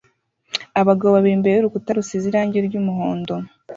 Abagabo babiri imbere yurukuta rusize irangi ry'umuhondo